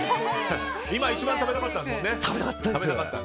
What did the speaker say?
今、一番食べたかったんですもんね。